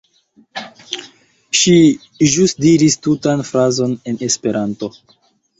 Ŝi ĵus diris tutan frazon en Esperanto!